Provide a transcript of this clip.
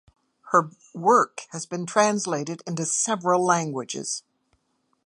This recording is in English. Her work has been translated into several languages.